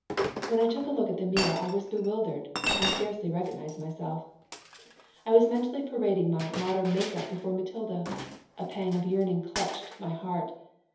When I took a look at the mirror I was bewildered. I scarcely recognized myself I was mentally parading my "modern" make up before Matilda. A pang of yearning clutched my heart.